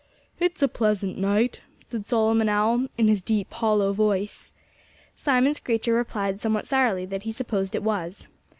"It's a pleasant night," said Solomon Owl in his deep, hollow voice. Simon Screecher replied somewhat sourly that he supposed it was.